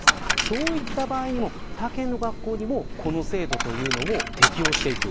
そういった場合にも他県の学校にもこの制度というのを適用していく。